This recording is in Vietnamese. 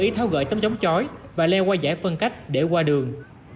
ý tháo gỡ tấm chống chói và leo qua giải phân cách để qua đường